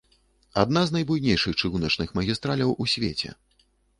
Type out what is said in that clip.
Адна з найбуйнейшых чыгуначных магістраляў у свеце.